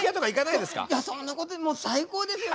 いやそんなこと最高ですよ